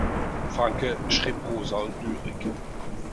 Franke schrieb Prosa und Lyrik.